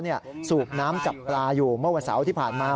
ขณะที่เขาสูกน้ำจากปลาอยู่เมื่อวันเสาระที่พาดมา